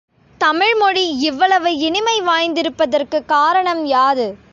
தமிழ்மொழி இவ்வளவு இனிமை வாய்ந்திருப்பதற்குக் காரணம் யாது?